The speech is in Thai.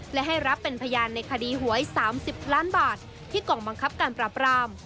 และให้รับเป็นพยานในคดีหวย๓๐ล้านบาทที่กองบังคับการปราบราม